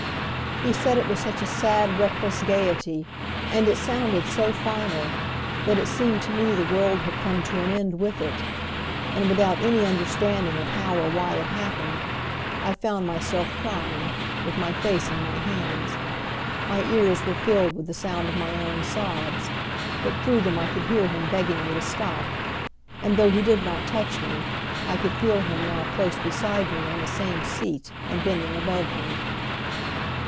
He said it with such a sad, reckless gaiety, and it sounded so final that it seemed to me the world had come to an end with it; and, without any understanding of how or why it happened, I found myself crying, with my face in my hands. My ears were filled with the sound of my own sobs, but through them I could hear him begging me to stop, and, though he did not touch me, I could feel him now close beside me on the same seat and bending above me.